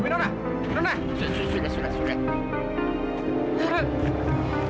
sudah sudah sudah